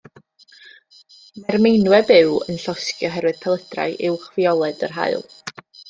Mae'r meinwe byw yn llosgi oherwydd pelydrau uwchfioled yr haul.